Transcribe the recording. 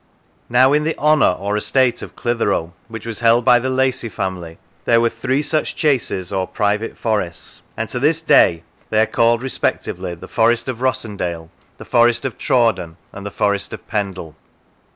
Now in the honour or estate of Clitheroe, which was held by the Lacy family, there were three such chases or private forests, 205 Lancashire and to this day they are called respectively the Forest of Rossendale, the Forest of Trawden, and the Forest of Pendle.